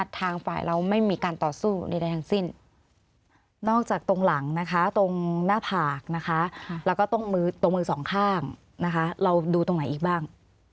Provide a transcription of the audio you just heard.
ตรงหน้าผากนะคะแล้วก็ตรงมือตรงมือสองข้างนะคะเราดูตรงไหนอีกบ้าง